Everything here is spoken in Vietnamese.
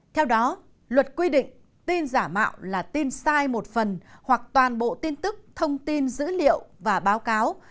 theo đó luật quy định tin giả mạo là tin sai một phần hoặc toàn bộ tin tức thông tin dữ liệu và báo cáo